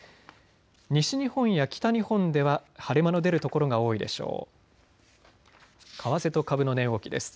西日本や北日本では晴れ間の出る所が多いでしょう。